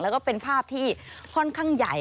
แล้วก็เป็นภาพที่ค่อนข้างใหญ่